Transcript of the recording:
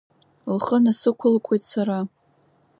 Лхы насықәылкуеит сара.